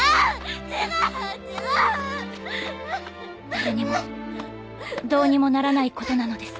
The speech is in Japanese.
誰にもどうにもならないことなのです。